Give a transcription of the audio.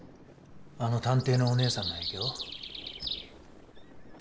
あの探偵のおねえさんの影響？